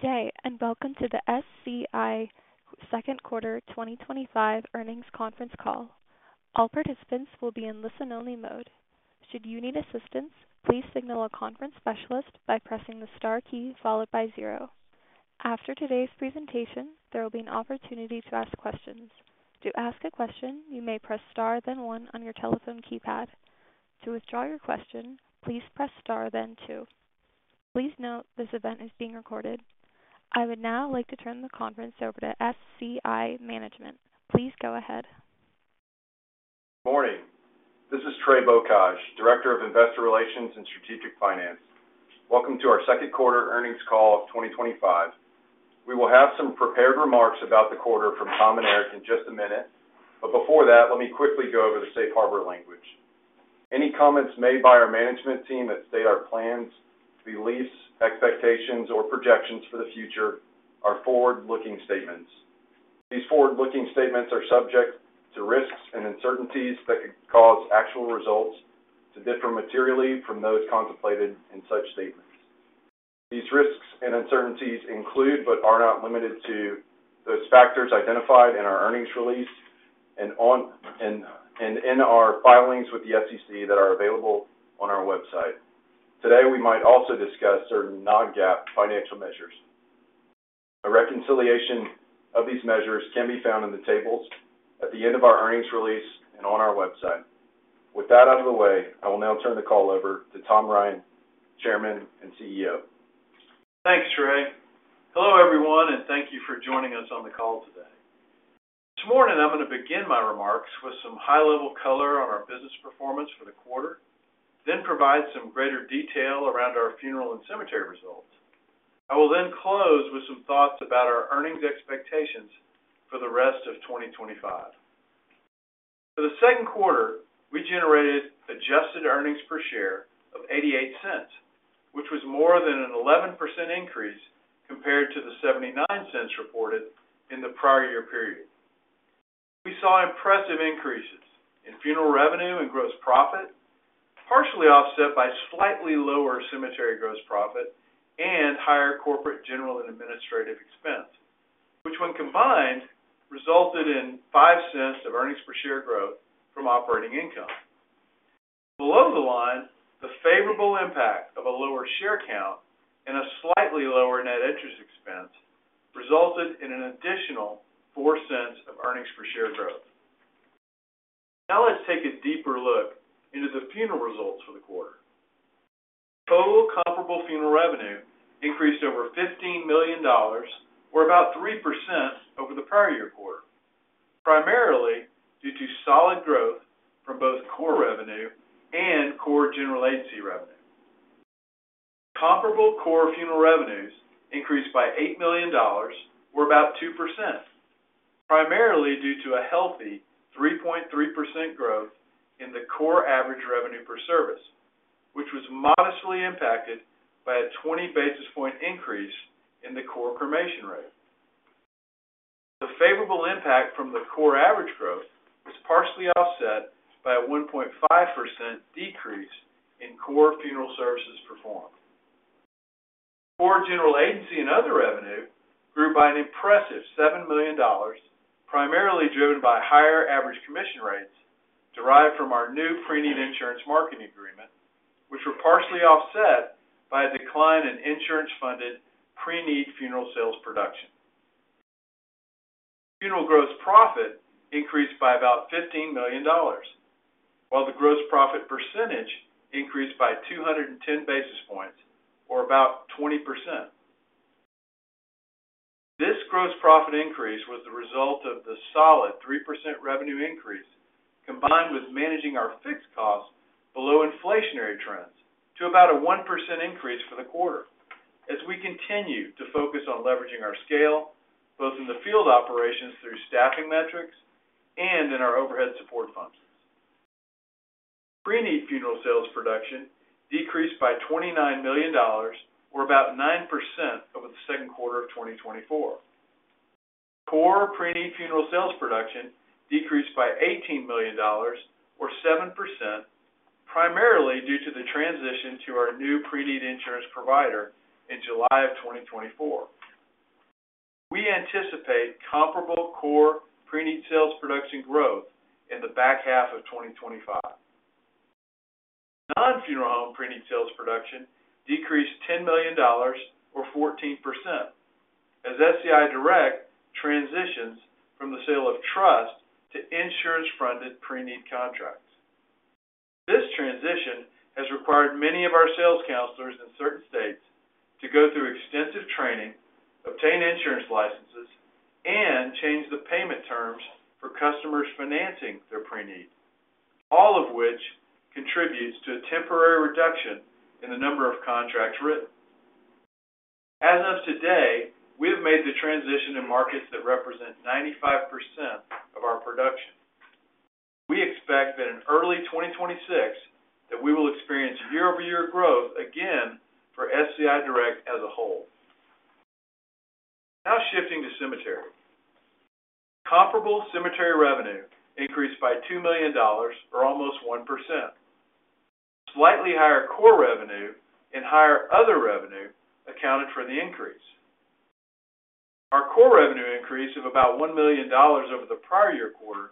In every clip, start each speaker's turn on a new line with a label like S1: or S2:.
S1: Good day, and welcome to the SCI Second Quarter 2025 Earnings Conference Call. All participants will be in listen-only mode. Should you need assistance, please signal a conference specialist by pressing the star key followed by zero. After today's presentation, there will be an opportunity to ask questions. To ask a question, you may press star then one on your telephone keypad. To withdraw your question, please press star then two. Please note this event is being recorded. I would now like to turn the conference over to SCI Management. Please go ahead.
S2: Good morning. This is Trey Bocage, Director of Investor Relations and Strategic Finance. Welcome to our Second Quarter Earnings Call of 2025. We will have some prepared remarks about the quarter from Tom and Eric in just a minute. But before that, let me quickly go over the safe-harbor language. Any comments made by our management team that state our plans, beliefs, expectations, or projections for the future are forward-looking statements. These forward-looking statements are subject to risks and uncertainties that could cause actual results to differ materially from those contemplated in such statements. These risks and uncertainties include but are not limited to those factors identified in our earnings release and in our filings with the SEC that are available on our website. Today, we might also discuss certain non-GAAP financial measures. A reconciliation of these measures can be found in the tables at the end of our earnings release and on our website. With that out of the way, I will now turn the call over to Tom Ryan, Chairman and CEO.
S3: Thanks, Trey. Hello, everyone, and thank you for joining us on the call today. I am going to begin my remarks with some high-level color on our business performance for the quarter, then provide some greater detail around our funeral and cemetery results. I will then close with some thoughts about our earnings expectations for the rest of 2025. For the second quarter, we generated adjusted earnings per share of $0.88, which was more than an 11% increase compared to the $0.79 reported in the prior year period. We saw impressive increases in funeral revenue and gross profit, partially offset by slightly lower cemetery gross profit and higher corporate general and administrative expense, which when combined resulted in $0.05 of earnings per share growth from operating income. Below the line, the favorable impact of a lower share count and a slightly lower net interest expense resulted in an additional $0.04 of earnings per share growth. Now let's take a deeper look into the funeral results for the quarter. Total comparable funeral revenue increased over $15 million, or about 3% over the prior year quarter, primarily due to solid growth from both core revenue and core general agency revenue. Comparable core funeral revenues increased by $8 million, or about 2%. Primarily due to a healthy 3.3% growth in the core average revenue per service, which was modestly impacted by a 20 basis point increase in the core cremation rate. The favorable impact from the core average growth was partially offset by a 1.5% decrease in core funeral services performed. Core general agency and other revenue grew by an impressive $7 million, primarily driven by higher average commission rates derived from our new pre-need insurance marketing agreement, which were partially offset by a decline in insurance-funded pre-need funeral sales production. Funeral gross profit increased by about $15 million, while the gross profit percentage increased by 210 basis points, or about 20%. This gross profit increase was the result of the solid 3% revenue increase combined with managing our fixed costs below inflationary trends to about a 1% increase for the quarter, as we continue to focus on leveraging our scale both in the field operations through staffing metrics and in our overhead support functions. Pre-need funeral sales production decreased by $29 million, or about 9% over the second quarter of 2024. Core pre-need funeral sales production decreased by $18 million, or 7%, primarily due to the transition to our new pre-need insurance provider in July of 2024. We anticipate comparable core pre-need sales production growth in the back half of 2025. Non-funeral home pre-need sales production decreased $10 million or 14%, as SCI Direct transitions from the sale of trust to insurance-funded pre-need contracts. This transition has required many of our sales counselors in certain states to go through extensive training, obtain insurance licenses, and change the payment terms for customers financing their pre-need, all of which contributes to a temporary reduction in the number of contracts written. As of today, we have made the transition in markets that represent 95% of our production. We expect that in early 2026, we will experience year-over-year growth again for SCI Direct as a whole. Now shifting to cemetery. Comparable cemetery revenue increased by $2 million, or almost 1%. Slightly higher core revenue and higher other revenue accounted for the increase. Our core revenue increase of about $1 million over the prior-year quarter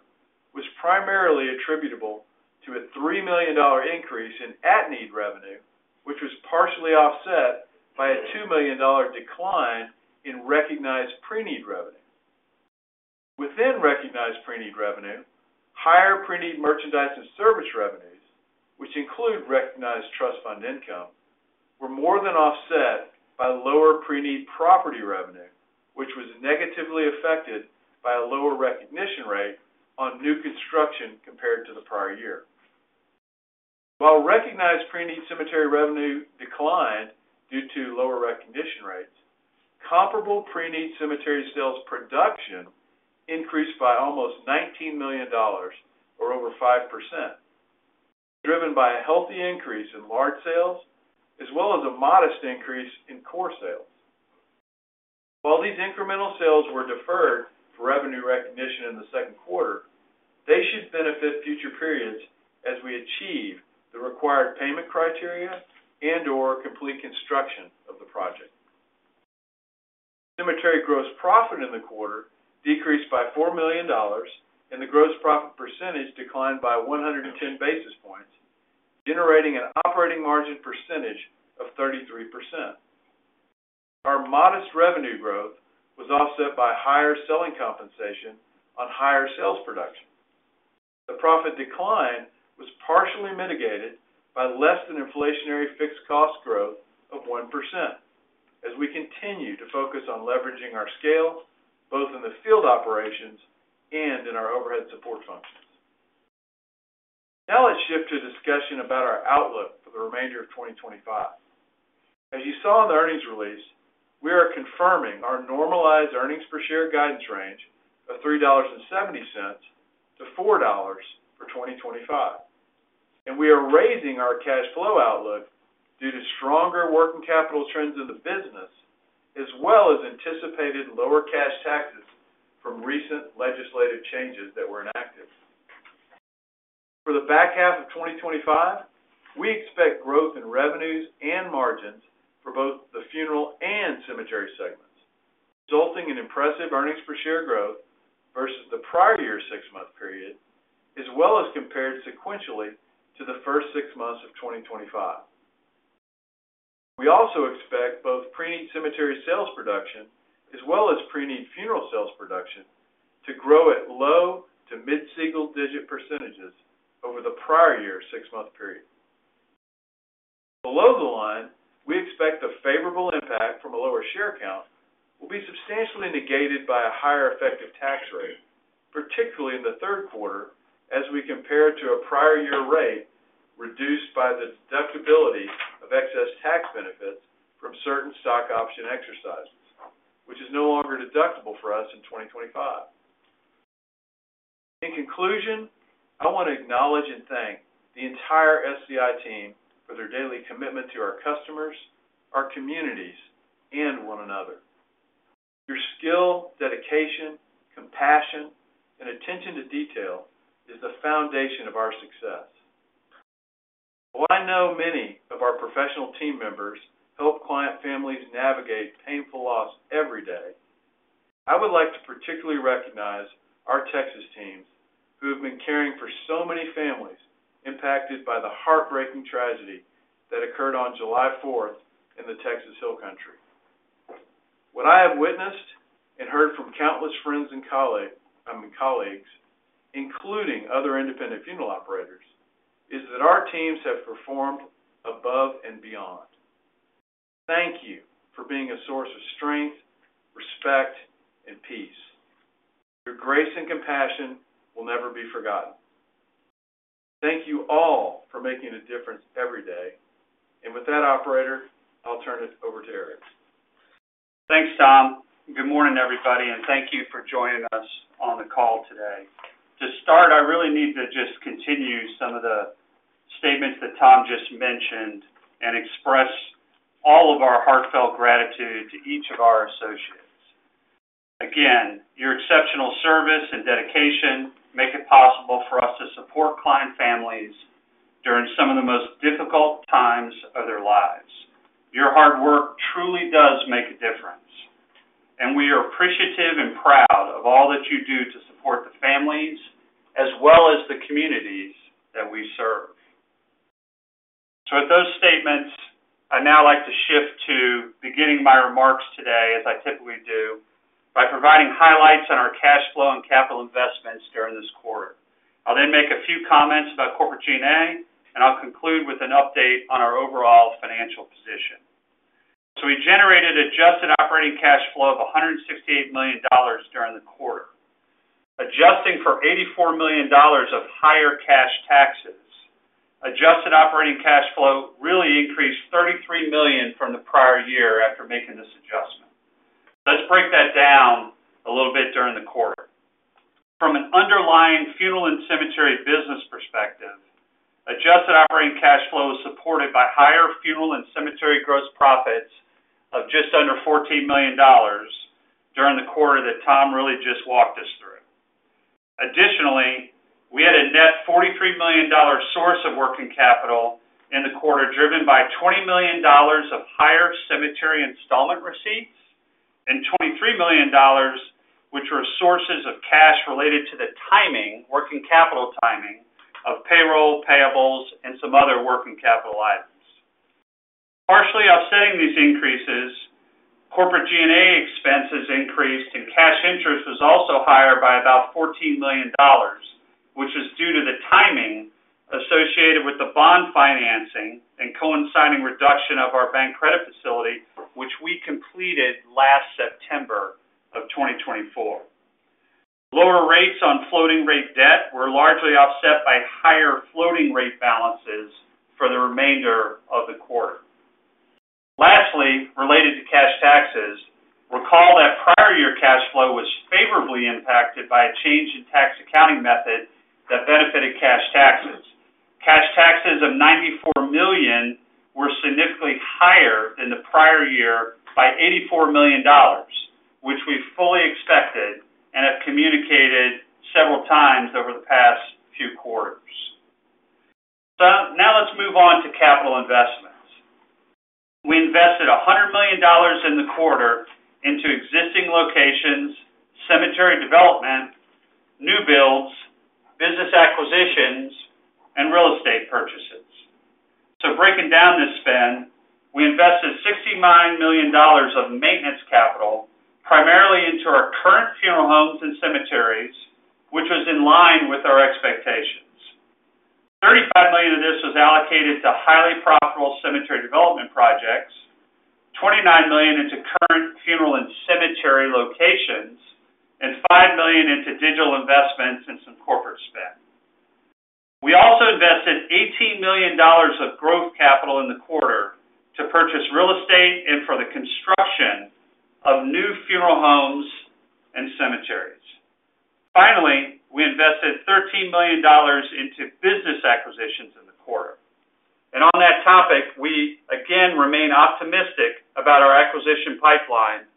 S3: was primarily attributable to a $3 million increase in at-need revenue, which was partially offset by a $2 million decline in recognized pre-need revenue. Within recognized pre-need revenue, higher pre-need merchandise and service revenues, which include recognized trust fund income, were more than offset by lower pre-need property revenue, which was negatively affected by a lower recognition rate on new construction compared to the prior year. While recognized pre-need cemetery revenue declined due to lower recognition rates, comparable pre-need cemetery sales production increased by almost $19 million, or over 5%, driven by a healthy increase in large sales, as well as a modest increase in core sales. While these incremental sales were deferred for revenue recognition in the second quarter, they should benefit future periods as we achieve the required payment criteria and/or complete construction of the project. Cemetery gross profit in the quarter decreased by $4 million, and the gross profit percentage declined by 110 basis points, generating an operating margin percentage of 33%. Our modest revenue growth was offset by higher selling compensation on higher sales production. The profit decline was partially mitigated by less than inflationary fixed cost growth of 1%, as we continue to focus on leveraging our scale both in the field operations and in our overhead support functions. Now let's shift to discussion about our outlook for the remainder of 2025. As you saw in the earnings release, we are confirming our normalized earnings per share guidance range of $3.70 to $4 for 2025. We are raising our cash flow outlook due to stronger working capital trends in the business, as well as anticipated lower cash taxes from recent legislative changes that were enacted. For the back half of 2025, we expect growth in revenues and margins for both the funeral and cemetery segments, resulting in impressive earnings per share growth versus the prior year six-month period, as well as compared sequentially to the first six months of 2025. We also expect both pre-need cemetery sales production, as well as pre-need funeral sales production, to grow at low to mid-single-digit percentages over the prior year six-month period. Below the line, we expect the favorable impact from a lower share count will be substantially negated by a higher effective tax rate, particularly in the third quarter, as we compare it to a prior year rate reduced by the deductibility of excess tax benefits from certain stock option exercises, which is no longer deductible for us in 2025. In conclusion, I want to acknowledge and thank the entire SCI team for their daily commitment to our customers, our communities, and one another. Your skill, dedication, compassion, and attention to detail are the foundation of our success. While I know many of our professional team members help client families navigate painful loss every day, I would like to particularly recognize our Texas teams, who have been caring for so many families impacted by the heartbreaking tragedy that occurred on July 4, 2023, in the Texas Hill Country. What I have witnessed and heard from countless friends and colleagues, including other independent funeral operators, is that our teams have performed above and beyond. Thank you for being a source of strength, respect, and peace. Your grace and compassion will never be forgotten. Thank you all for making a difference every day. With that, Operator, I'll turn it over to Eric.
S4: Thanks, Tom. Good morning, everybody, and thank you for joining us on the call today. To start, I really need to just continue some of the statements that Tom just mentioned and express all of our heartfelt gratitude to each of our associates. Again, your exceptional service and dedication make it possible for us to support client families during some of the most difficult times of their lives. Your hard work truly does make a difference. We are appreciative and proud of all that you do to support the families as well as the communities that we serve. With those statements, I'd now like to shift to beginning my remarks today, as I typically do, by providing highlights on our cash flow and capital investments during this quarter. I'll then make a few comments about corporate G&A, and I'll conclude with an update on our overall financial position. We generated adjusted operating cash flow of $168 million during the quarter, adjusting for $84 million of higher cash taxes. Adjusted operating cash flow really increased $33 million from the prior year after making this adjustment. Let's break that down a little bit during the quarter. From an underlying funeral and cemetery business perspective, adjusted operating cash flow was supported by higher funeral and cemetery gross profits of just under $14 million during the quarter that Tom really just walked us through. Additionally, we had a net $43 million source of working capital in the quarter driven by $20 million of higher cemetery installment receipts and $23 million, which were sources of cash related to the timing, working capital timing, of payroll, payables, and some other working capital items. Partially offsetting these increases, corporate G&A expenses increased, and cash interest was also higher by about $14 million, which is due to the timing associated with the bond financing and coinciding reduction of our bank credit facility, which we completed last September of 2024. Lower rates on floating rate debt were largely offset by higher floating rate balances for the remainder of the quarter. Lastly, related to cash taxes, recall that prior year cash flow was favorably impacted by a change in tax accounting method that benefited cash taxes. Cash taxes of $94 million were significantly higher than the prior year by $84 million, which we fully expected and have communicated several times over the past few quarters. Now let's move on to capital investments. We invested $100 million in the quarter into existing locations, cemetery development, new builds, business acquisitions, and real estate purchases. Breaking down this spend, we invested $69 million of maintenance capital, primarily into our current funeral homes and cemeteries, which was in line with our expectations. $35 million of this was allocated to highly profitable cemetery development projects, $29 million into current funeral and cemetery locations, and $5 million into digital investments and some corporate spend. We also invested $18 million of growth capital in the quarter to purchase real estate and for the construction of new funeral homes and cemeteries. Finally, we invested $13 million into business acquisitions in the quarter. On that topic, we again remain optimistic about our acquisition pipeline,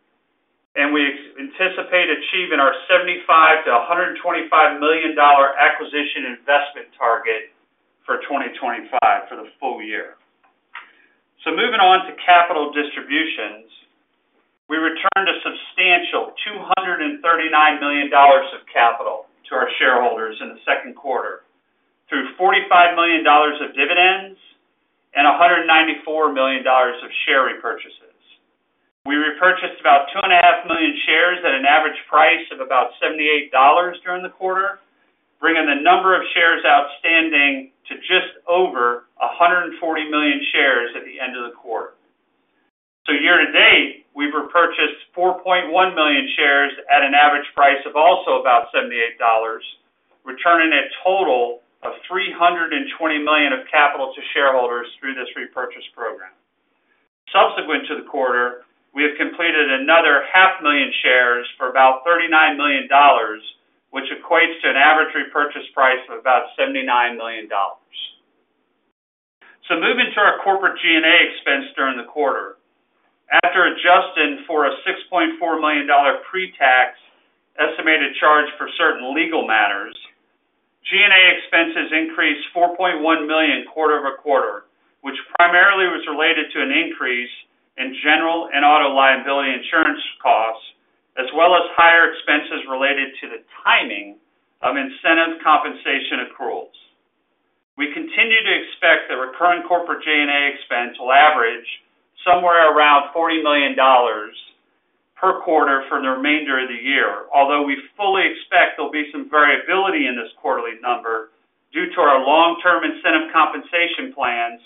S4: and we anticipate achieving our $75 to $125 million acquisition investment target for 2025 for the full-year. So moving on to capital distributions, we returned a substantial $239 million of capital to our shareholders in the second quarter through $45 million of dividends and $194 million of share repurchases. We repurchased about 2.5 million shares at an average price of about $78 during the quarter, bringing the number of shares outstanding to just over 140 million shares at the end of the quarter. So year-to-date, we've repurchased 4.1 million shares at an average price of also about $78, returning a total of $320 million of capital to shareholders through this repurchase program. Subsequent to the quarter, we have completed another half million shares for about $39 million, which equates to an average repurchase price of about $79 million. So moving to our corporate G&A expense during the quarter, after adjusting for a $6.4 million pre-tax estimated charge for certain legal matters, G&A expenses increased $4.1 million quarter over-quarter, which primarily was related to an increase in general and auto liability insurance costs, as well as higher expenses related to the timing of incentive compensation accruals. We continue to expect that recurring corporate G&A expense will average somewhere around $40 million per quarter for the remainder of the year, although we fully expect there'll be some variability in this quarterly number due to our long-term incentive compensation plans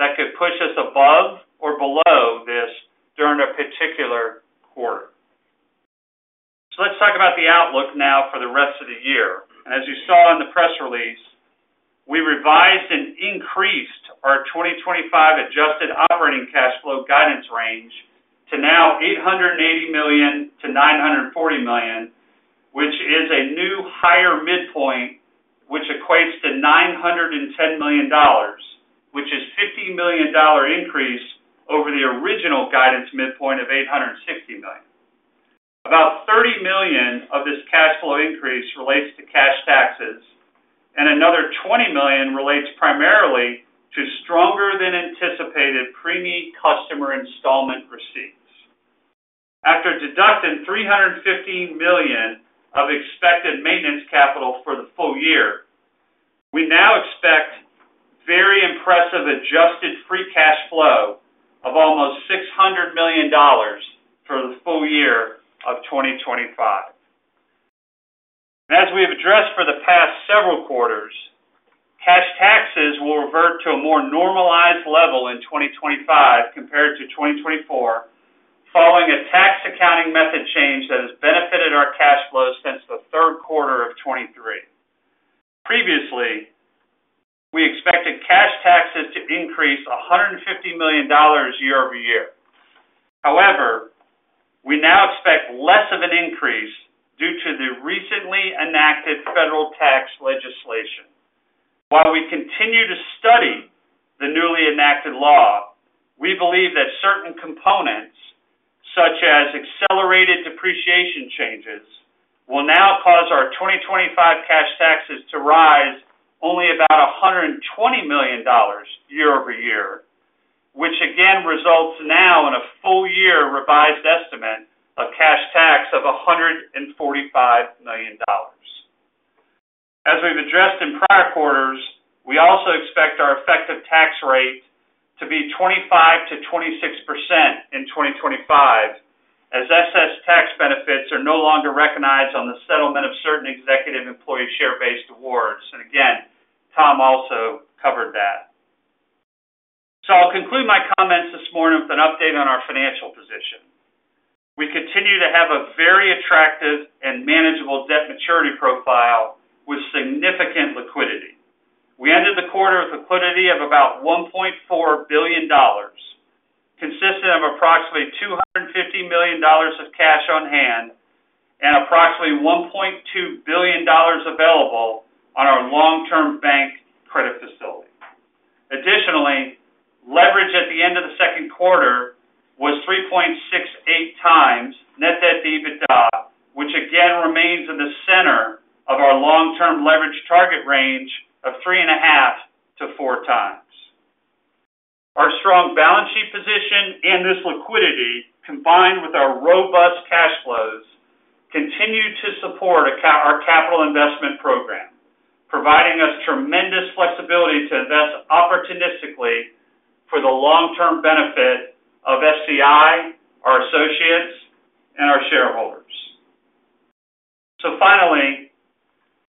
S4: that could push us above or below this during a particular quarter. Let's talk about the outlook now for the rest of the year. As you saw in the press release, we revised and increased our 2025 adjusted operating cash flow guidance range to now $880 million to $940 million, which is a new higher midpoint, which equates to $910 million, which is a $50 million increase over the original guidance midpoint of $860 million. About $30 million of this cash flow increase relates to cash taxes, and another $20 million relates primarily to stronger-than-anticipated pre-need customer installment receipts. After deducting $315 million of expected maintenance capital for the full year, we now expect very impressive adjusted free cash flow of almost $600 million for the full year of 2025. As we have addressed for the past several quarters, cash taxes will revert to a more normalized level in 2025 compared to 2024, following a tax accounting method change that has benefited our cash flow since the third quarter of 2023. Previously, we expected cash taxes to increase $150 million year-over-year. However, we now expect less of an increase due to the recently enacted federal tax legislation. While we continue to study the newly enacted law, we believe that certain components, such as accelerated depreciation changes, will now cause our 2025 cash taxes to rise only about $120 million year over year, which again results now in a full-year revised estimate of cash tax of $145 million. As we've addressed in prior quarters, we also expect our effective tax rate to be 25% to 26% in 2025, as excess tax benefits are no longer recognized on the settlement of certain executive employee share-based awards. Tom also covered that. I'll conclude my comments this morning with an update on our financial position. We continue to have a very attractive and manageable debt maturity profile with significant liquidity. We ended the quarter with liquidity of about $1.4 billion, consisting of approximately $250 million of cash on hand and approximately $1.2 billion available on our long-term bank credit facility. Additionally, leverage at the end of the second quarter was 3.68 times net debt to EBITDA, which again remains in the center of our long-term leverage target range of 3.5 to 4 times. Our strong balance sheet position and this liquidity, combined with our robust cash flows, continue to support our capital investment program, providing us tremendous flexibility to invest opportunistically for the long-term benefit of Service Corporation International, our associates, and our shareholders.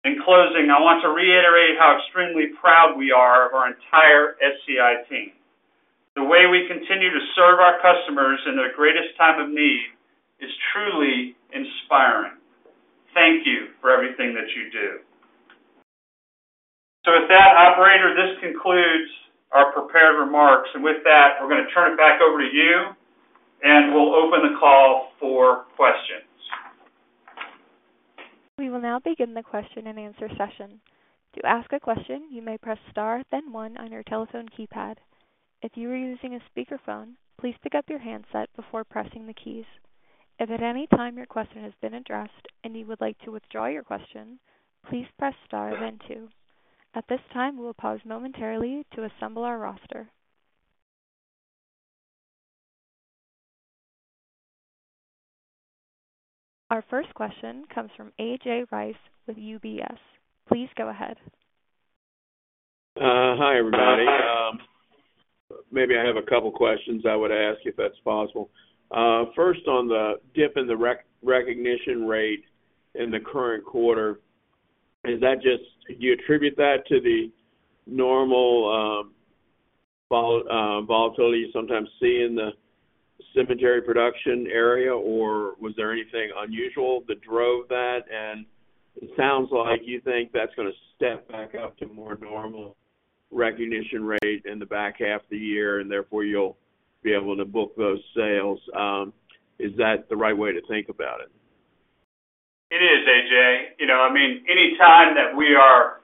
S4: In closing, I want to reiterate how extremely proud we are of our entire SCI team. The way we continue to serve our customers in their greatest time of need is truly inspiring. Thank you for everything that you do. With that, Operator, this concludes our prepared remarks. We are going to turn it back over to you, and we'll open the call for questions.
S1: We will now begin the question and answer session. To ask a question, you may press star, then one, on your telephone keypad. If you are using a speakerphone, please pick up your handset before pressing the keys. If at any time your question has been addressed and you would like to withdraw your question, please press star, then two. At this time, we will pause momentarily to assemble our roster. Our first question comes from A.J. Rice with UBS Investment Bank. Please go ahead.
S5: Hi, everybody. Maybe I have a couple of questions I would ask, if that's possible. First, on the dip in the recognition rate in the current quarter. Is that just, you attribute that to the normal volatility you sometimes see in the cemetery production area? Or was there anything unusual that drove that? It sounds like you think that's going to step back up to more normal recognition rate in the back half of the year, and therefore you'll be able to book those sales. Is that the right way to think about it?
S4: It is, A.J. I mean, any time that we are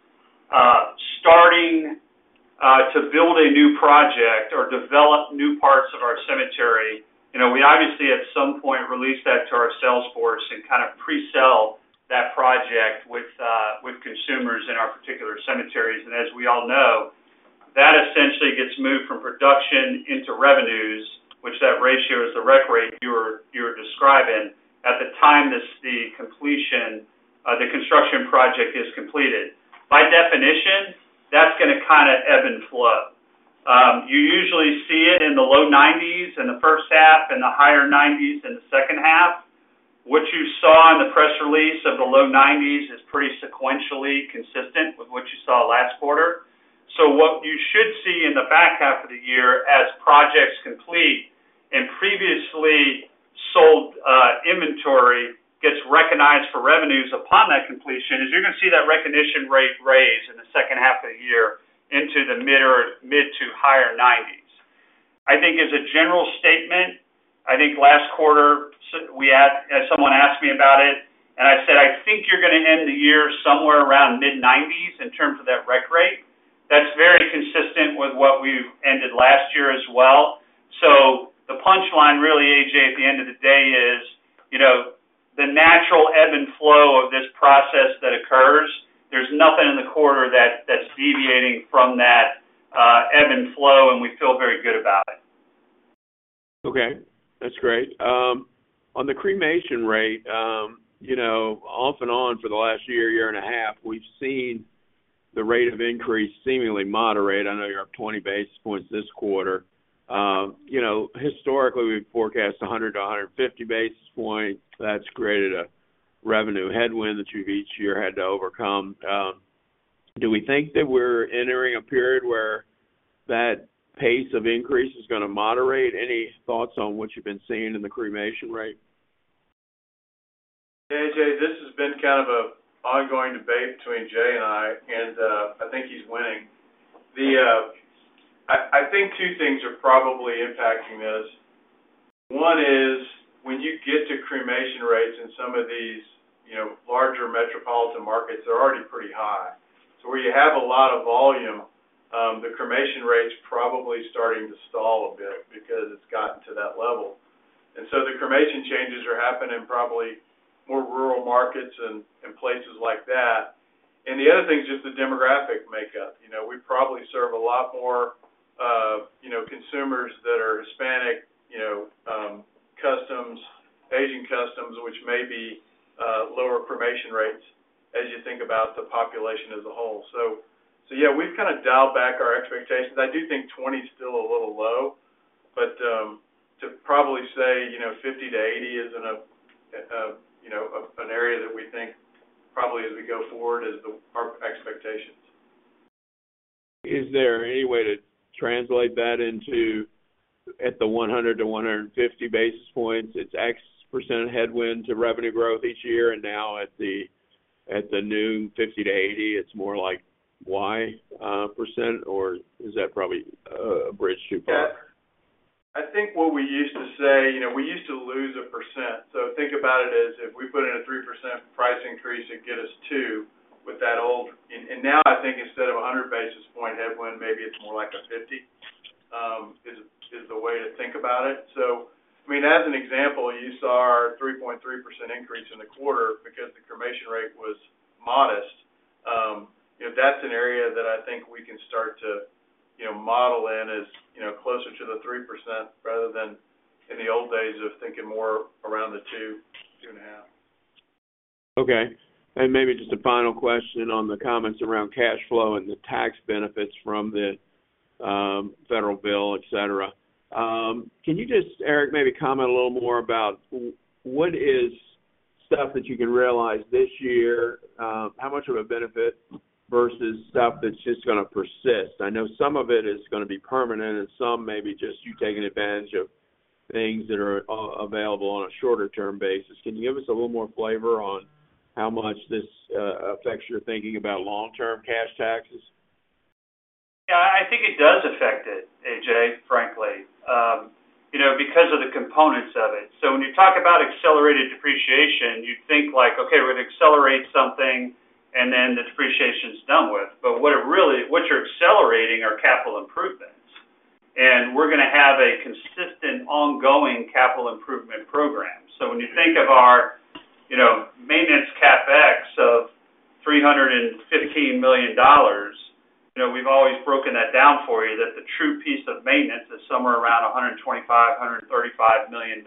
S4: starting to build a new project or develop new parts of our cemetery, we obviously, at some point, release that to our sales force and kind of pre-sell that project with consumers in our particular cemeteries. As we all know, that essentially gets moved from production into revenues, which that ratio is the rec rate you were describing at the time the construction project is completed. By definition, that's going to kind of ebb and flow. You usually see it in the low 90% in the first half and the higher 90% in the second half. What you saw in the press release of the low 90% is pretty sequentially consistent with what you saw last quarter. What you should see in the back half of the year as projects complete and previously sold inventory gets recognized for revenues upon that completion is you're going to see that recognition rate raise in the second half of the year into the mid- to higher 90%. I think as a general statement, I think last quarter, as someone asked me about it, and I said, "I think you're going to end the year somewhere around mid-90% in terms of that rec rate." That's very consistent with what we ended last year as well. The punchline really, A.J., at the end of the day is the natural ebb and flow of this process that occurs. There's nothing in the quarter that's deviating from that ebb and flow, and we feel very good about it.
S5: Okay. That's great. On the cremation rate, off and on for the last year, year and a half, we've seen the rate of increase seemingly moderate. I know you're up 20 basis points this quarter. Historically, we've forecast 100 to 150 basis points. That's created a revenue headwind that you've each year had to overcome. Do we think that we're entering a period where that pace of increase is going to moderate? Any thoughts on what you've been seeing in the cremation rate?
S3: A.J., this has been kind of an ongoing debate between Jay and I, and I think he's winning. I think two things are probably impacting this. One is when you get to cremation rates in some of these larger metropolitan markets, they're already pretty high. Where you have a lot of volume, the cremation rate's probably starting to stall a bit because it's gotten to that level. The cremation changes are happening in probably more rural markets and places like that. The other thing is just the demographic makeup. We probably serve a lot more consumers that are Hispanic customs, Asian customs, which may be lower cremation rates as you think about the population as a whole. We've kind of dialed back our expectations. I do think 20% is still a little low, but to probably say 50% to 80% isn't an area that we think probably as we go forward is our expectations.
S5: Is there any way to translate that into, at the 100 to 150 basis points, it's X percent headwind to revenue growth each year, and now at the new 50 to 80, it's more like Y percent, or is that probably a bridge to--
S3: I think what we used to say, we used to lose a %. Think about it as if we put in a 3% price increase, it'd get us to with that old. Now I think instead of a 100 basis point headwind, maybe it's more like a 50. That is the way to think about it. For example, you saw our 3.3% increase in the quarter because the cremation rate was modest. That's an area that I think we can start to model in as closer to the 3% rather than in the old days of thinking more around the 2%, 2.5%.
S5: Okay. Maybe just a final question on the comments around cash flow and the tax benefits from the federal bill, et cetera. Can you just, Eric, maybe comment a little more about what is stuff that you can realize this year, how much of a benefit versus stuff that's just going to persist? I know some of it is going to be permanent, and some maybe just you taking advantage of things that are available on a shorter-term basis. Can you give us a little more flavor on how much this affects your thinking about long-term cash taxes?
S4: Yeah, I think it does affect it, A.J., frankly. Because of the components of it. When you talk about accelerated depreciation, you'd think like, "Okay, we're going to accelerate something, and then the depreciation's done with." What you're accelerating are capital improvements, and we're going to have a consistent ongoing capital improvement program. When you think of our maintenance CapEx of $315 million, we've always broken that down for you that the true piece of maintenance is somewhere around $125 million, $135 million.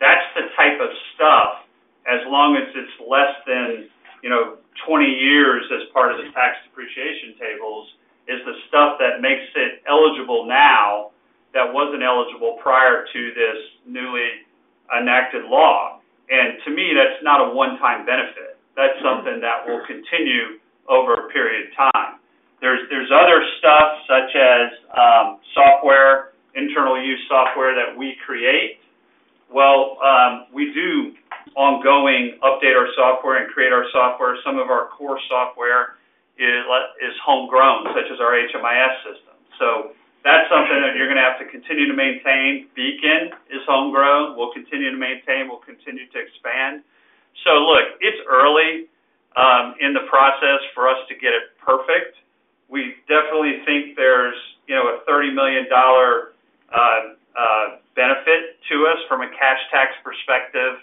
S4: That's the type of stuff, as long as it's less than 20 years as part of the tax depreciation tables, is the stuff that makes it eligible now that wasn't eligible prior to this newly enacted law. To me, that's not a one-time benefit. That's something that will continue over a period of time. There's other stuff such as software, internal use software that we create. We do ongoing update our software and create our software. Some of our core software is homegrown, such as our HMIS system. That's something that you're going to have to continue to maintain. Beacon is homegrown. We'll continue to maintain, we'll continue to expand. Look, it's early in the process for us to get it perfect. We definitely think there's a $30 million benefit to us from a cash tax perspective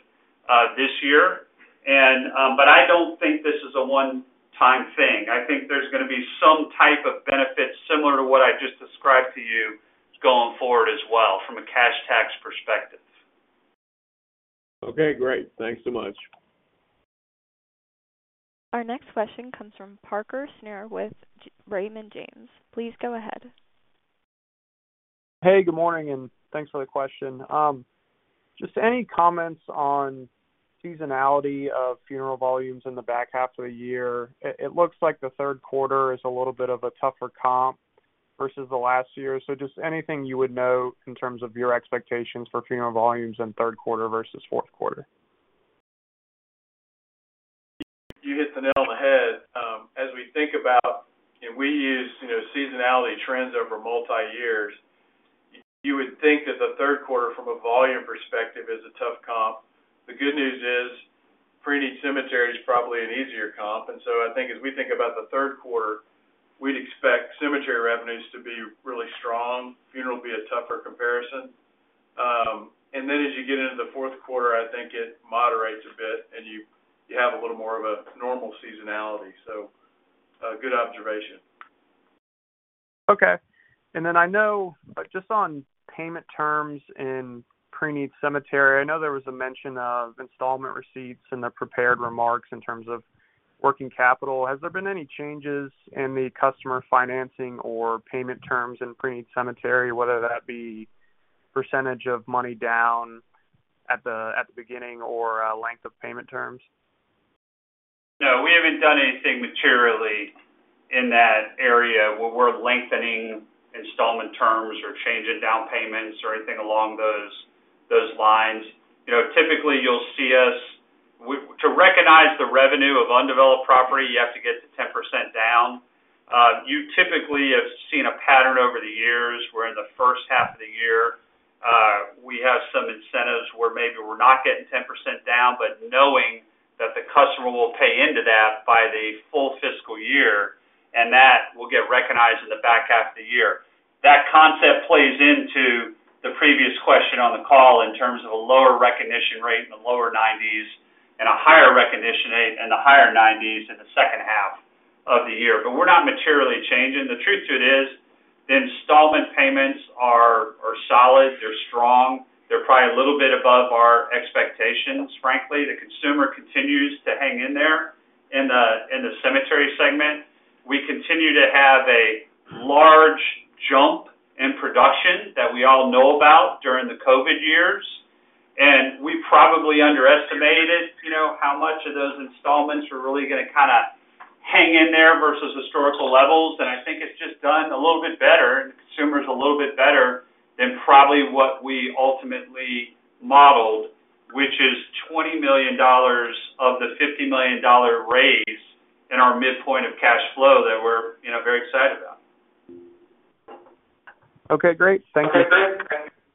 S4: this year. I don't think this is a one-time thing. I think there's going to be some type of benefit similar to what I just described to you going forward as well from a cash tax perspective.
S5: Okay, great. Thanks so much.
S1: Our next question comes from Parker Snure with Raymond James. Please go ahead.
S6: Hey, good morning, and thanks for the question. Any comments on seasonality of funeral volumes in the back half of the year? It looks like the third quarter is a little bit of a tougher comp versus last year. Anything you would know in terms of your expectations for funeral volumes in third quarter versus fourth quarter?
S3: You hit the nail on the head. As we think about it, we use seasonality trends over multi-years. You would think that the third quarter from a volume perspective is a tough comp. The good news is pre-need cemeteries is probably an easier comp, and so I think as we think about the third quarter, we'd expect cemetery revenues to be really strong. Funeral would be a tougher comparison. As you get into the fourth quarter, I think it moderates a bit, and you have a little more of a normal seasonality, so a good observation.
S6: Okay. I know just on payment terms in pre-need cemetery, I know there was a mention of installment receipts in the prepared remarks in terms of working capital. Has there been any changes in the customer financing or payment terms in pre-need cemetery, whether that be percentage of money down at the beginning or length of payment terms?
S4: No, we haven't done anything materially in that area. We're lengthening installment terms or changing down payments or anything along those lines. Typically, you'll see us. To recognize the revenue of undeveloped property, you have to get to 10% down. You typically have seen a pattern over the years where in the first half of the year, we have some incentives where maybe we're not getting 10% down, but knowing that the customer will pay into that by the full fiscal year, and that will get recognized in the back half of the year. That concept plays into the previous question on the call in terms of a lower recognition rate in the lower 90% and a higher recognition rate in the higher 90% in the second half of the year. We're not materially changing. The truth to it is the installment payments are solid. They're strong. They're probably a little bit above our expectations, frankly. The consumer continues to hang in there in the cemetery segment. We continue to have a large jump in production that we all know about during the COVID years. We probably underestimated how much of those installments were really going to kind of hang in there versus historical levels. I think it's just done a little bit better, and the consumer is a little bit better than probably what we ultimately modeled, which is $20 million of the $50 million raise in our midpoint of cash flow that we're very excited about.
S6: Okay, great. Thank you.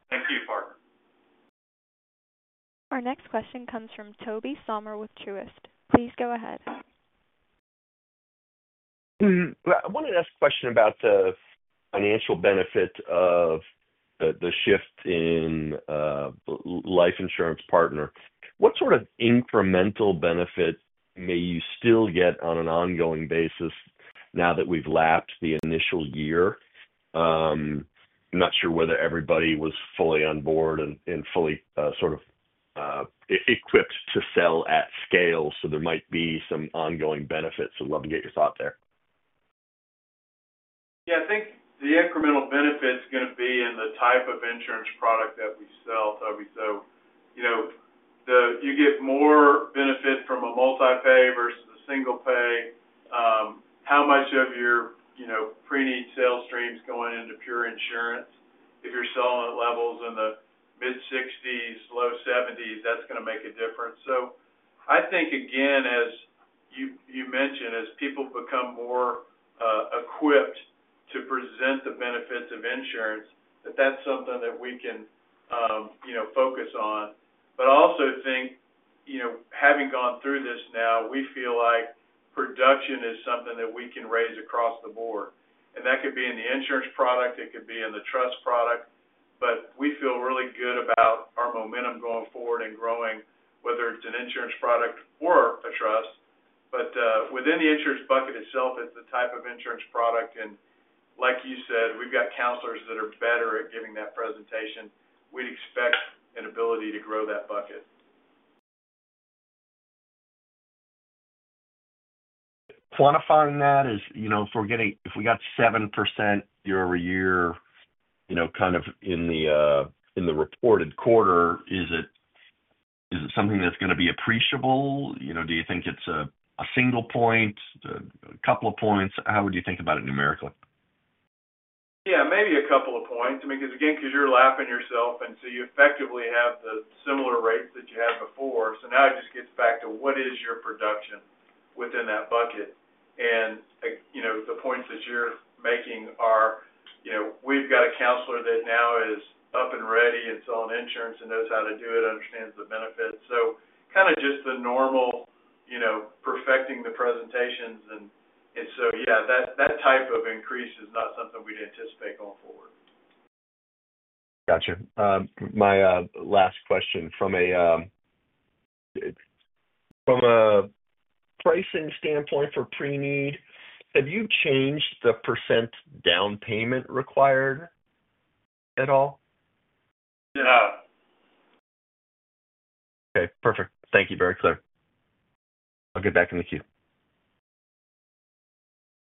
S3: Thank you, Parker.
S1: Our next question comes from Tobey Sommer with Truist Securities. Please go ahead.
S7: I want to ask a question about the financial benefit of the shift in life insurance partner. What sort of incremental benefit may you still get on an ongoing basis now that we've lapped the initial year? I'm not sure whether everybody was fully on board and fully equipped to sell at scale, so there might be some ongoing benefits. I'd love to get your thought there.
S3: Yeah, I think the incremental benefit is going to be in the type of insurance product that we sell. You get more benefit from a multi-pay versus a single pay. How much of your pre-need sales stream is going into pure insurance? If you're selling at levels in the mid-60s, low 70s, that's going to make a difference. I think, again, as you mentioned, as people become more equipped to present the benefits of insurance, that's something that we can focus on. I also think having gone through this now, we feel like production is something that we can raise across the board. That could be in the insurance product or in the trust product. We feel really good about our momentum going forward and growing, whether it's an insurance product or a trust. Within the insurance bucket itself, it's the type of insurance product. Like you said, we've got counselors that are better at giving that presentation. We'd expect an ability to grow that bucket.
S7: Quantifying that is, if we got 7% year over year in the reported quarter, is it something that's going to be appreciable? Do you think it's a single-point, a couple of points? How would you think about it numerically?
S3: Yeah maybe a couple of points. I mean, again, because you're lapping yourself, you effectively have the similar rates that you had before. It just gets back to what is your production within that bucket. And the points that you're making are we've got a counselor that now is up and ready and selling insurance and knows how to do it, understands the benefits. Kind of just the normal, perfecting the presentations, so yeah, that type of increase is not something we'd anticipate going forward.
S7: Got you. My last question from a pricing standpoint for pre-need, have you changed the percent down payment required at all?
S3: No.
S7: Okay, perfect. Thank you, very clear. I'll get back in the queue.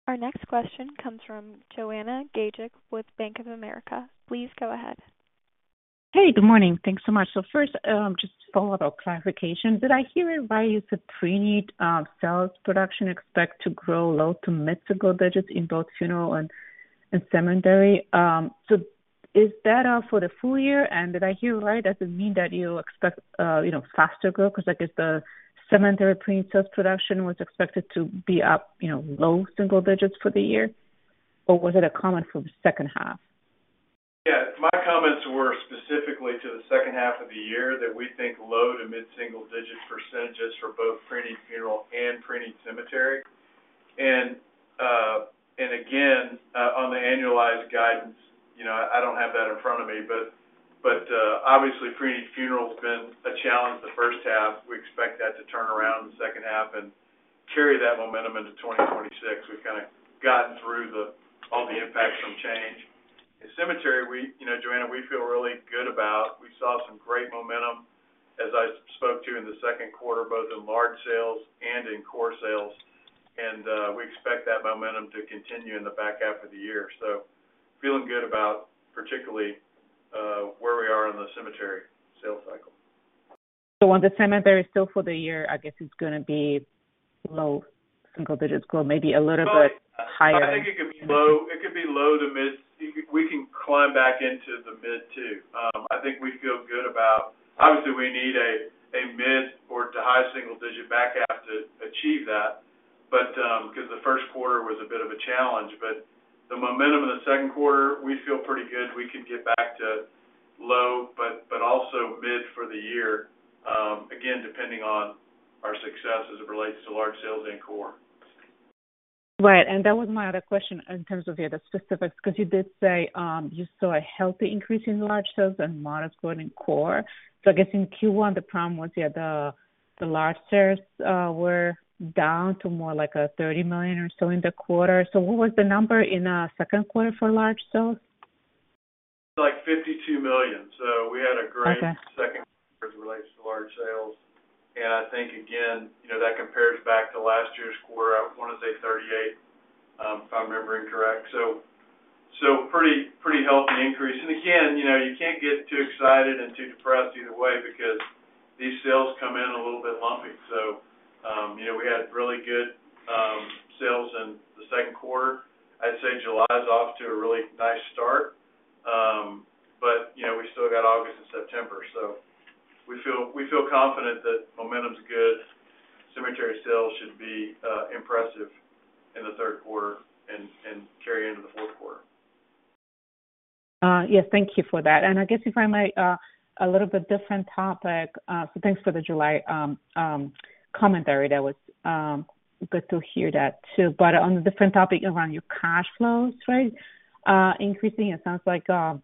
S1: Our next question comes from Joanna Gajuk with Bank of America. Please go ahead.
S8: Hey, good morning. Thanks so much. First, just follow-up clarification. Did I hear right that pre-need sales production is expected to grow low to mid-single-digits in both funeral and cemetery? Is that for the full-year? Did I hear right? Does it mean that you expect faster growth? I guess the cemetery pre-need sales production was expected to be up low-single-digits for the year, or was it a comment for the second-half?
S3: Yeah, my comments were specifically to the second half of the year that we think low to mid-single digit percent for both pre-need funeral and pren-eed cemetery. Again, on the annualized guidance, I don't have that in front of me, but obviously, pre-need funeral has been a challenge the first half. We expect that to turn around in the second half and carry that momentum into 2026. We've kind of gotten through all the impacts from change. In cemetery, Joanna, we feel really good about. We saw some great momentum, as I spoke to in the second quarter, both in large sales and in core sales, and we expect that momentum to continue in the back half of the year. Feeling good about particularly where we are in the cemetery sales cycle.
S8: On the cemetery still for the year, I guess it's going to be low single digits, maybe a little bit higher.
S3: I think it could be low. It could be low-to-mid. We can climb back into the mid too. I think we feel good about it. Obviously, we need a mid-to-high single-digit back half to achieve that because the first quarter was a bit of a challenge. The momentum in the second quarter, we feel pretty good. We could get back to low, but also mid for the year, again, depending on our success as it relates to large sales and core.
S8: Right. That was my other question in terms of the specifics because you did say you saw a healthy increase in large sales and modest growth in core. I guess in Q1, the problem was the large sales were down to more like $30 million or so in the quarter. What was the number in the second quarter for large sales?
S3: It's like $52 million. We had a great second quarter as it relates to large sales. I think, again, that compares back to last year's quarter. I want to say $38 million, if I remember correct. Pretty healthy increase. You can't get too excited and you can't get too depressed either way because these sales come in a little bit lumpy. We had really good sales in the second quarter. I'd say July is off to a really nice start. We still got August and September. We feel confident that momentum is good. Cemetery sales should be impressive in the third quarter and carry into the fourth quarter.
S8: Yes, thank you for that. I guess if I might, a little bit different topic. Thanks for the July commentary. That was good to hear that too. On a different topic around your cash flows, right? Increasing, it sounds like the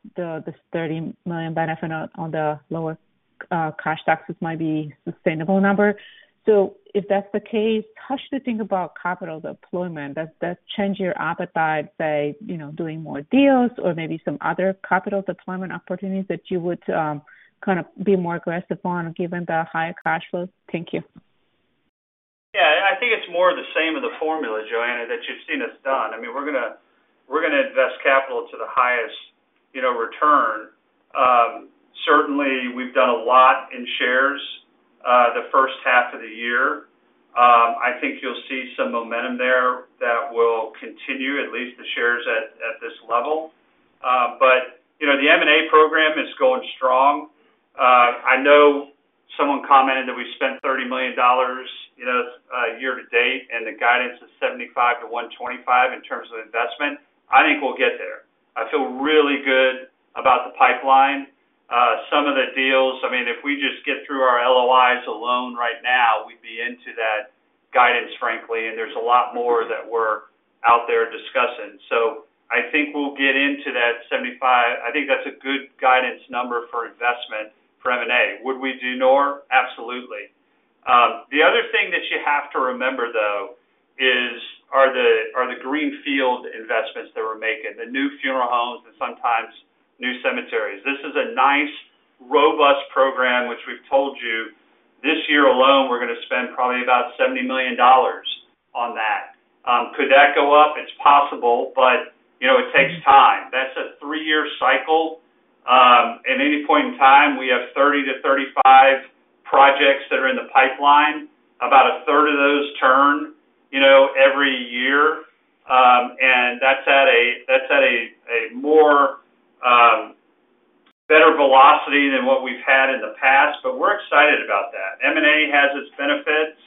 S8: $30 million benefit on the lower cash taxes might be a sustainable number. If that's the case, how should you think about capital deployment? Does that change your appetite, say, doing more deals or maybe some other capital deployment opportunities that you would kind of be more aggressive on given the higher cash flow? Thank you.
S4: Yeah, I think it's more of the same of the formula, Joanna, that you've seen us do. I mean, we're going to invest capital to the highest return. Certainly, we've done a lot in shares the first-half of the year. I think you'll see some momentum there that will continue, at least the shares at this level. But the M&A program is going strong. I know someone commented that we spent $30 million year-to-date and the guidance is $75 million to $125 million in terms of investment. I think we'll get there. I feel really good about the pipeline. Some of the deals, I mean, if we just get through our LOIs alone right now, we'd be into that guidance, frankly. There's a lot more that we're out there discussing. I think we'll get into that $75 million. I think that's a good guidance number for investment for M&A. Would we do more? Absolutely. The other thing that you have to remember, though, are the greenfield investments that we're making, the new funeral homes and sometimes new cemeteries. This is a nice, robust program, which we've told you this year alone, we're going to spend probably about $70 million on that. Could that go up? It's possible, but it takes time. That's a three-year cycle. At any point in time, we have 30 to 35 projects that are in the pipeline. About a third of those turn every year, and that's at a more, better velocity than what we've had in the past. We're excited about that. M&A has its benefits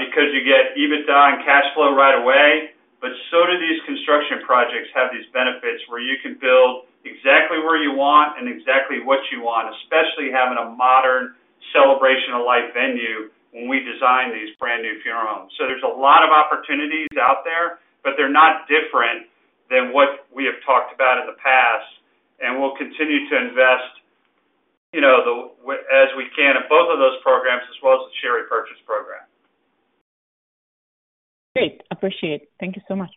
S4: because you get EBITDA and cash flow right away, but so do these construction projects have these benefits where you can build exactly where you want and exactly what you want, especially having a modern celebration of life venue when we design these brand new funeral homes. There's a lot of opportunities out there, but they're not different than what we have talked about in the past. We'll continue to invest as we can in both of those programs as well as the share repurchase program.
S8: Great. Appreciate it. Thank you so much.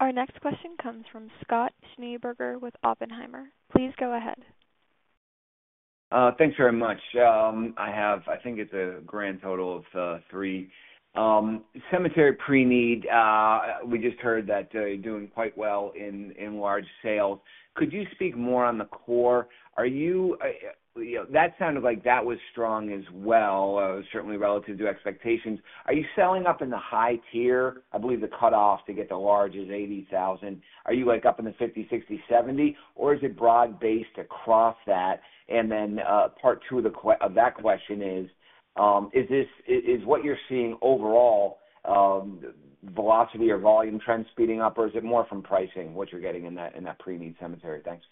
S1: Our next question comes from Scott Schneeberger with Oppenheimer & Co. Please go ahead.
S9: Thanks very much. I think it's a grand total of three. Cemetery pre-need. We just heard that you're doing quite well in large sales. Could you speak more on the core? That sounded like that was strong as well, certainly relative to expectations. Are you selling up in the high-tier? I believe the cutoff to get the large is $80,000. Are you up in the $50,000, $60,000, $70,000, or is it broad based across that? Part two of that question is what you're seeing overall. Velocity or volume trends speeding up, or is it more from pricing, what you're getting in that pre-need cemetery? Thanks.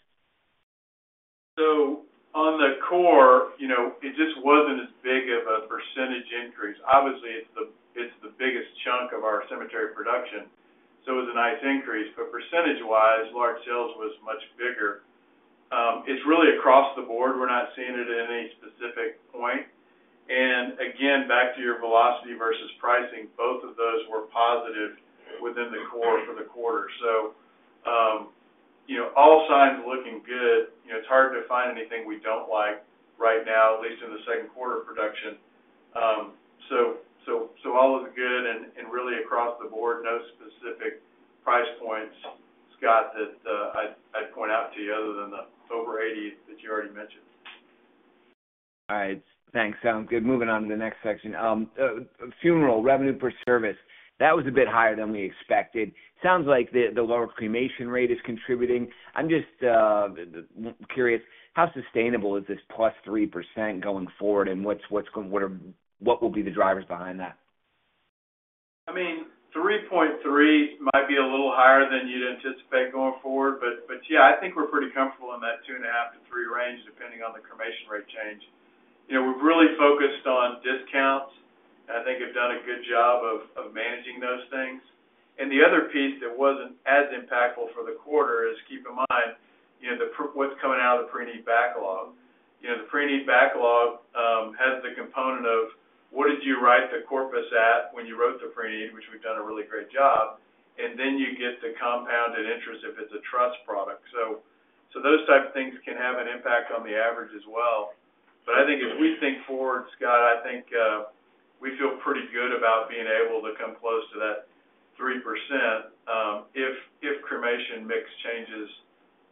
S3: On the core, it just wasn't as big of a % increase. Obviously, it's the biggest chunk of our cemetery production. It was a nice increase, but percentage-wise, large sales was much bigger. It's really across the board. We're not seeing it at any specific point. Again, back to your velocity versus pricing, both of those were positive within the core for the quarter. All signs looking good. It's hard to find anything we don't like right now, at least in the second quarter production. All is good. Really, across the board, no specific price points, Scott, that I'd point out to you other than the over 80 that you already mentioned.
S9: All right. Thanks. Sounds good. Moving on to the next section. Funeral revenue per service was a bit higher than we expected. It sounds like the lower cremation rate is contributing. I'm just curious, how sustainable is this plus 3% going forward, and what will be the drivers behind that?
S3: I mean, $3.3 million might be a little higher than you'd anticipate going forward. Yeah, I think we're pretty comfortable in that $2.5 million to $3 million range, depending on the cremation rate change. We've really focused on discounts. I think we've done a good job of managing those things. The other piece that wasn't as impactful for the quarter is, keep in mind what's coming out of the pre-need backlog. The pre-need backlog has the component of what did you write the corpus at when you wrote the pre-need, which we've done a really great job. Then you get the compounded interest if it's a trust product. Those types of things can have an impact on the average as well. I think as we think forward, Scott, I think we feel pretty good about being able to come close to that 3%. If cremation mix changes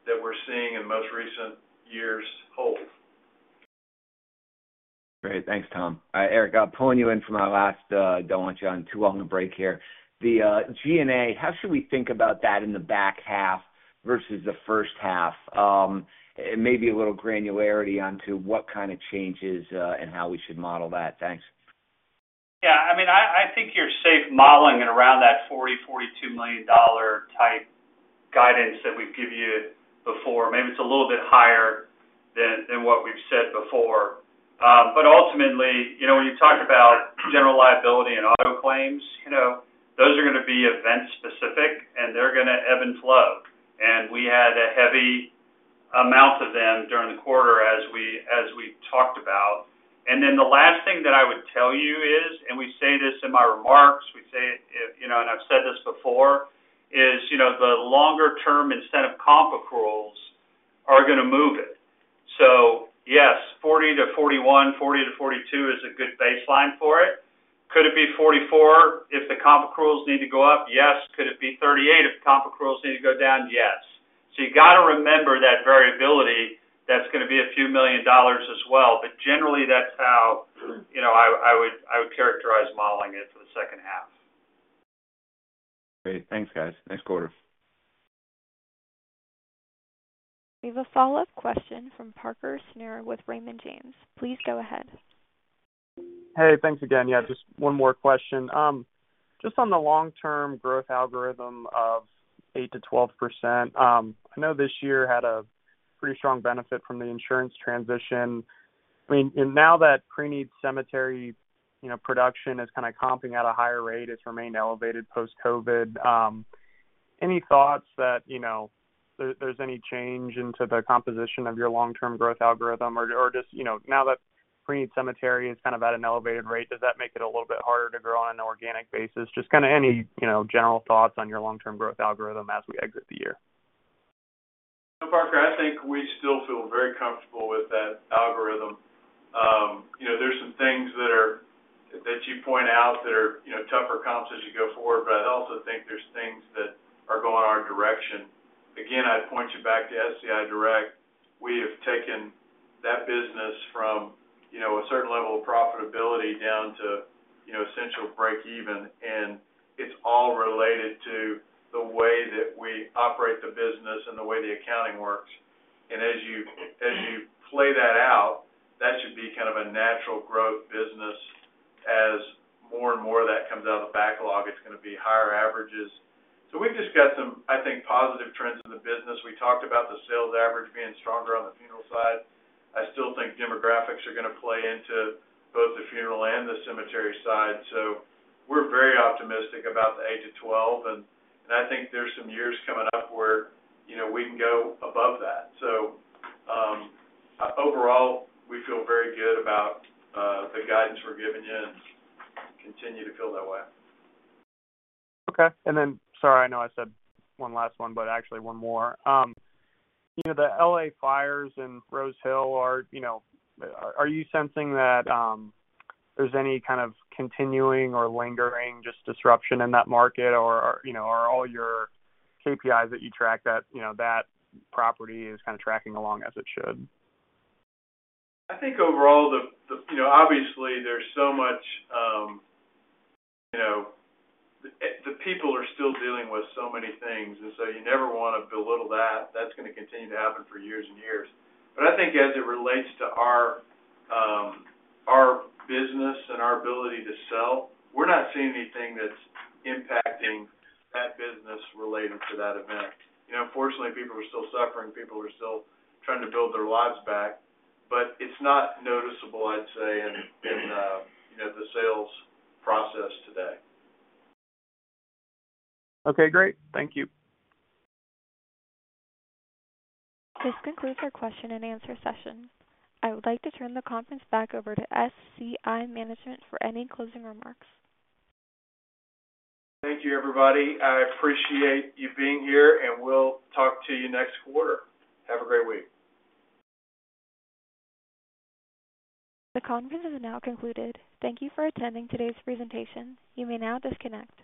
S3: that we're seeing in most recent years hold.
S9: Great. Thanks, Tom. Eric, I'm pulling you in from my last question. I don't want you on too long a break here. The G&A, how should we think about that in the back half versus the first-half? Maybe a little granularity onto what kind of changes and how we should model that. Thanks.
S4: Yeah. I mean, I think you're safe modeling it around that $40 million, $42 million type guidance that we've given you before. Maybe it's a little bit higher than what we've said before. Ultimately, when you talk about general liability and auto claims, those are going to be event-specific, and they're going to ebb and flow. We had a heavy amount of them during the quarter, as we talked about. The last thing that I would tell you is, and we say this in my remarks, we say it, and I've said this before, is the longer-term incentive comp accruals are going to move it. So yes, $40 million to $41 million, $40 million to $42 million is a good baseline for it. Could it be $44 million if the comp accruals need to go up? Yes. Could it be $38 million if the comp accruals need to go down? Yes. You got to remember that variability that's going to be a few million dollars as well. Generally, that's how I would characterize modeling it for the second half.
S9: Great. Thanks, guys. Nice quarter.
S1: We have a follow-up question from Parker Snure with Raymond James. Please go ahead.
S6: Hey, thanks again. Yeah, just one more question. Just on the long-term growth algorithm of 8% to 12%, I know this year had a pretty strong benefit from the insurance transition. I mean, now that pre-need cemetery production is kind of comping at a higher rate, it's remained elevated post-COVID. Any thoughts that there's any change into the composition of your long-term growth algorithm? Or just now that pre-need cemetery is kind of at an elevated rate, does that make it a little bit harder to grow on an organic basis? Just kind of any general thoughts on your long-term growth algorithm as we exit the year.
S3: Yeah. So, Parker, I think we still feel very comfortable with that algorithm. There are some things that you point out that are tougher comps as you go forward, but I also think there are things that are going our direction. I'd point you back to SCI Direct. We have taken that business from a certain level of profitability down to essentially break-even. It's all related to the way that we operate the business and the way the accounting works. As you play that out, that should be kind of a natural growth business. As more and more of that comes out of the backlog, it's going to be higher averages. We've just got some, I think, positive trends in the business. We talked about the sales average being stronger on the funeral side. I still think demographics are going to play into both the funeral and the cemetery side. We are very optimistic about the 8 to 12. I think there are some years coming up where we can go above that. Overall, we feel very good about the guidance we're giving you and continue to feel that way.
S6: Okay. Sorry, I know I said one last one, but actually one more. The L.A. Fires and Rose Hill, are you sensing that there's any kind of continuing or lingering disruption in that market, or are all your KPIs that you track at that property kind of tracking along as it should?
S3: I think overall, obviously, there's so much. People are still dealing with so many things. You never want to belittle that. That's going to continue to happen for years and years. I think as it relates to our business and our ability to sell, we're not seeing anything that's impacting that business related to that event. Fortunately, people are still suffering. People are still trying to build their lives back, but it's not noticeable, I'd say, in the sales process today.
S6: Okay. Great. Thank you.
S1: This concludes our question and answer session. I would like to turn the conference back over to SCI management for any closing remarks.
S2: Thank you, everybody. I appreciate you being here, and we'll talk to you next quarter. Have a great week.
S1: The conference is now concluded. Thank you for attending today's presentation. You may now disconnect.